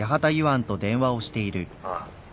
ああ。